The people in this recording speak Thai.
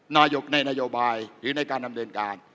นายกในนโยบายหรือในการดำเนินการ